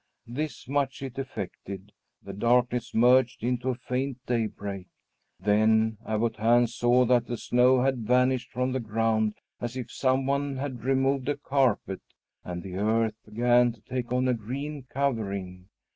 This much it effected: The darkness merged into a faint daybreak. Then Abbot Hans saw that the snow had vanished from the ground, as if some one had removed a carpet, and the earth began to take on a green covering.